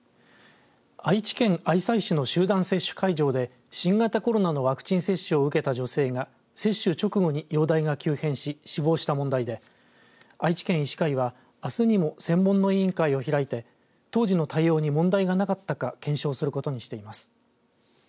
愛知県愛西市の集団接種会場で新型コロナのワクチン接種を受けた女性が接種直後に容体が急変し死亡した問題で愛知県医師会はあすにも専門の委員会を開いて当時の対応に問題がなかったか検証することにしています。